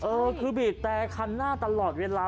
เออคือบีบแต่คันหน้าตลอดเวลา